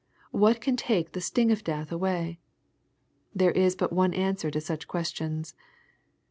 What can take the sting of death away ?— There is but one answer to such questions.